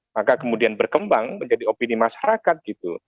maka kemudian berkembang menjadi opini masyarakat gitu